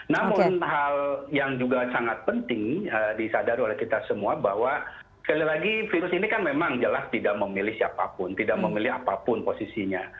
namun hal yang juga sangat penting disadari oleh kita semua bahwa sekali lagi virus ini kan memang jelas tidak memilih siapapun tidak memilih apapun posisinya